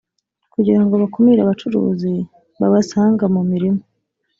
kugira ngo bakumire abacuruzi babasanga mu mirima